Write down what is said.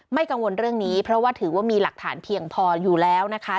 กังวลเรื่องนี้เพราะว่าถือว่ามีหลักฐานเพียงพออยู่แล้วนะคะ